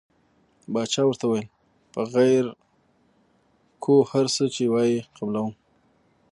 باچا ورته وویل پر غیر کوو هر څه چې وایې قبلووم.